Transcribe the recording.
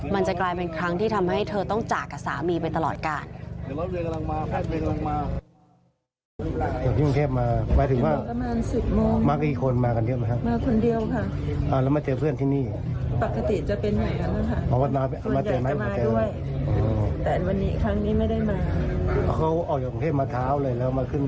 มันจะกลายเป็นครั้งที่ทำให้เธอต้องจากกับสามีไปตลอดการ